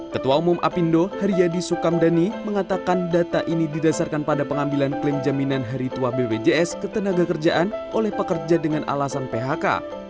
ketua umum apindo haryadi sukamdhani mengatakan data ini didasarkan pada pengambilan klaim jaminan hari tua bpjs ketenaga kerjaan oleh pekerja dengan alasan phk